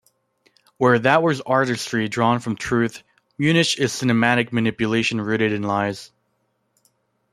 Where that was artistry drawn from truth, Munich is cinematic manipulation rooted in lies.